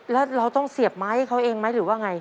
แล้วเราต้องเสียบไม้ให้เขาเองไหมหรือว่าไง